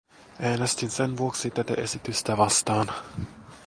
Äänestin sen vuoksi tätä esitystä vastaan.